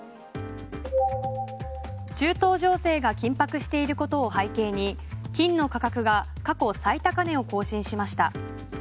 中東情勢が緊迫していることを背景に金の価格が過去最高値を更新しました。